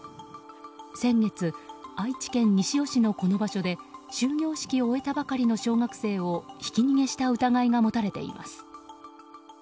先月、愛知県西尾市のこの場所で終業式を終えたばかりの小学生をひき逃げした疑いが持たれています。